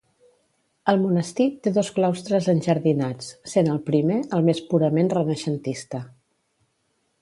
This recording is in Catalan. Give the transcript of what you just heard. El monestir té dos claustres enjardinats, sent el primer el més purament renaixentista.